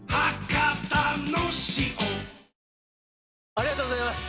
ありがとうございます！